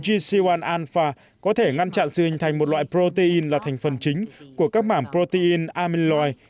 pgc một alpha có thể ngăn chặn sự hình thành một loại protein là thành phần chính của các mảm protein amyloid